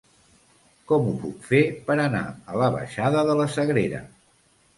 Com ho puc fer per anar a la baixada de la Sagrera?